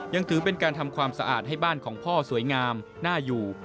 ยังถือเป็นการทำความสะอาดให้บ้านของพ่อสวยงามน่าอยู่